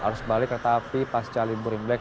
harus balik kereta api pasca libur imlek